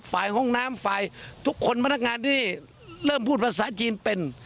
ฝ่ายห้องน้ำฝ่ายทุกคนพนักงานที่เริ่มพูดภาษาจีนเป็น